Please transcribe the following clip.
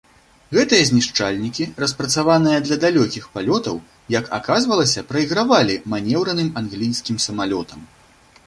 Гэтыя знішчальнікі, распрацаваныя для далёкіх палётаў, як аказвалася, прайгравалі манеўраным англійскім самалётам.